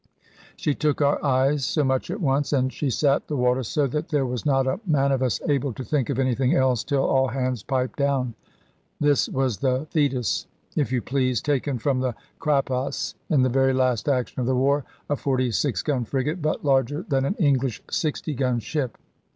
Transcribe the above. She took our eyes so much at once, and she sat the water so, that there was not a man of us able to think of anything else till all hands piped down. This was the Thetis, if you please, taken from the Crappos in the very last action of the war, a 46 gun frigate, but larger than an English 60 gun ship.